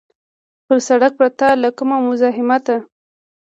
پر سړک پرته له کوم مزاحمته.